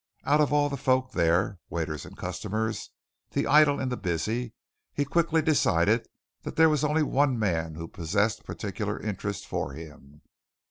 Out of all the folk there, waiters and customers, the idle and the busy, he quickly decided that there was only one man who possessed particular interest for him.